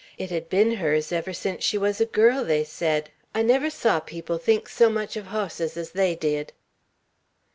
It had been hers ever sence she was a girl, they said, I never saw people think so much of hosses as they did."